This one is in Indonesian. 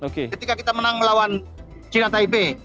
ketika kita menang melawan cina tip